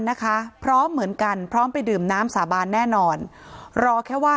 นะคะพร้อมเหมือนกันพร้อมไปดื่มน้ำสาบานแน่นอนรอแค่ว่า